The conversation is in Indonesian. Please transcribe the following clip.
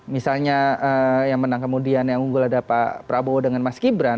misalnya yang menang kemudian yang unggul ada pak prabowo dengan mas gibran